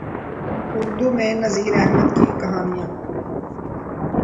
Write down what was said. اردو میں نذیر احمد کی کہانیاں